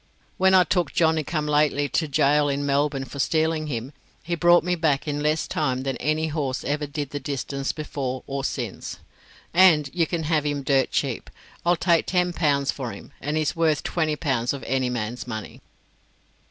When I took Johnny come lately to gaol in Melbourne for stealing him, he brought me back in less time than any horse ever did the distance before or since. And you can have him dirt cheap. I'll take ten pounds for him, and he's worth twenty pounds of any man's money."